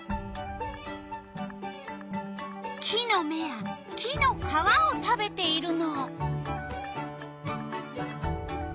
木のめや木の皮を食べているの。